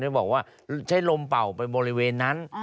บอกว่าใช้ลมเป่าไปบริเวณนั้น